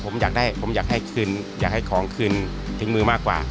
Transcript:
ผมอยากได้ผมอยากให้คืนอยากให้ของคืนถึงมือมากกว่า